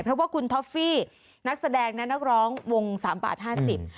เพราะว่าคุณท็อฟฟี่นักแสดงและนักร้องวงสามบาทห้าสิบ